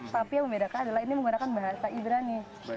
tapi yang membedakan adalah ini menggunakan bahasa ibrani